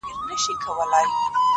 د پښتنو ماحول دی دلته تهمتوته ډېر دي;